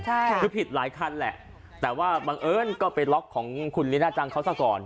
ใช่ค่ะคือผิดหลายคันแหละแต่ว่าบังเอิญก็ไปล็อกของคุณลีน่าจังเขาซะก่อน